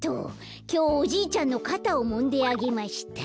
きょう「おじいちゃんのかたをもんであげました」。